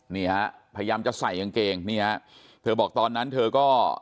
นี่ฮะพยายามจะใส่กางเกงนี่ฮะเธอบอกตอนนั้นเธอก็